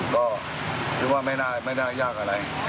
ก็คิดว่าไม่น่ายากอะไร